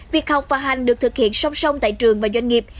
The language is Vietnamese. việc học và hành được thực hiện song song tại trường và doanh nghiệp